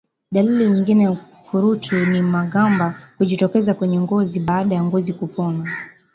Dalili nyingine ya ukurutu ni magamba kujitokeza kwenye ngozi baada ya ngozi kupona